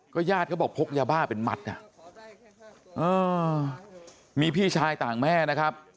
ญาติเขาบอกพกยาบ้าเป็นมัดอ่ะเออมีพี่ชายต่างแม่นะครับ